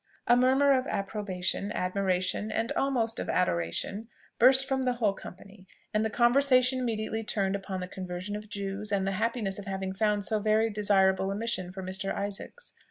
A murmur of approbation, admiration, and almost of adoration, burst from the whole company, and the conversation immediately turned upon the conversion of Jews, and the happiness of having found so very desirable a mission for Mr. Isaacs.